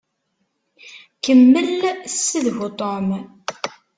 Kemmel ssedhu Tom.